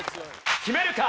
決めるか？